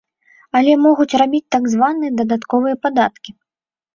Але могуць рабіць так званыя дадатковыя падкаткі.